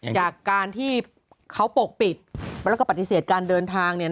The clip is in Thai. จากการที่เขาปกปิดแล้วก็ปฏิเสธการเดินทาง